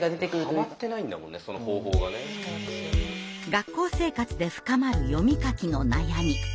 学校生活で深まる読み書きの悩み。